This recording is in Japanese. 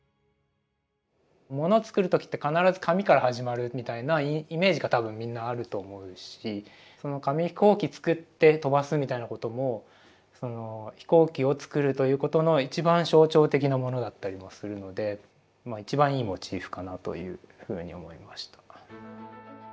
もの作る時って必ず紙から始まるみたいなイメージが多分みんなあると思うしその紙飛行機作って飛ばすみたいなこともその飛行機を作るということの一番象徴的なものだったりもするのでまあ一番いいモチーフかなというふうに思いました。